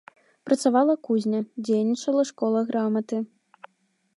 Працавала кузня, дзейнічала школа граматы.